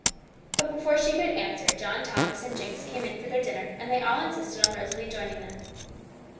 But before she could answer John Thomas and Jinx came in for their dinner, and they all insisted on Rosalie joining them.